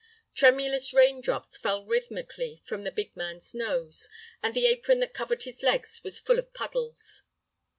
Tremulous rain drops fell rhythmically from the big man's nose, and the apron that covered his legs was full of puddles.